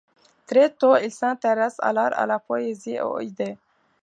Très tôt, il s'intéresse à l'art, à la poésie et aux idées.